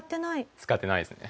使ってないですね。